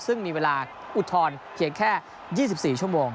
ซึ่งมีเวลาอุทธรณ์เพียงแค่๒๔ชั่วโมง